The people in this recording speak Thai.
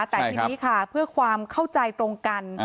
แต่ทีนี้ค่ะเพื่อความเข้าใจตรงกัน